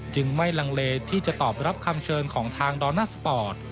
จึงไม่ลังเลที่จะตอบรับคำเชิญของทางดอลน่าสปอร์ต